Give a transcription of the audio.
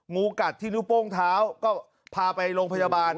งูกัดที่นิ้วโป้งเท้าก็พาไปโรงพยาบาล